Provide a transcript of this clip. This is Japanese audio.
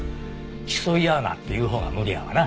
競い合うなっていうほうが無理やわな。